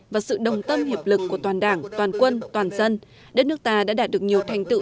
và sự đồng tâm hiệp lực của toàn đảng toàn quân toàn dân đất nước ta đã đạt được nhiều thành tựu